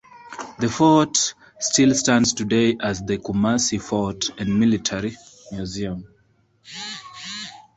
The fort still stands today as the Kumasi Fort and Military Museum.